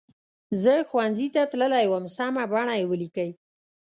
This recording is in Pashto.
زه ښوونځي ته تللې وم سمه بڼه یې ولیکئ.